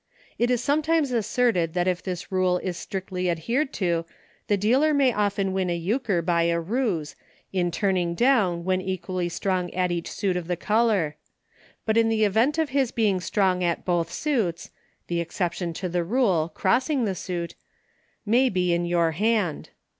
It is some times asserted that if this rule is strictly ad hered to the dealer may often win a Euchre by a ruse, in turning down when equally strong at each suit of the color; but in the event of his being strong at both suits, (the exception to the rule ; crossing the suit,) may be in your hand.